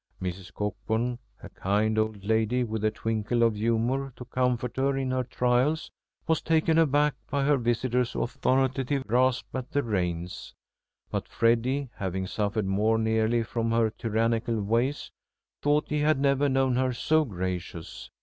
Mrs. Cockburn, a kind old lady with a twinkle of humour to comfort her in her trials, was taken aback by her visitor's authoritative grasp at the reins; but Freddy, having suffered more nearly from her tyrannical ways, thought he had never known her so gracious.